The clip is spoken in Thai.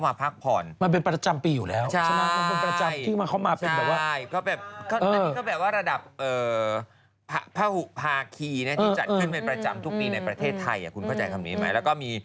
ะภักพรมันเป็นประจำปีอยู่แล้วใช่ไหมน่าจะเป็นประจำ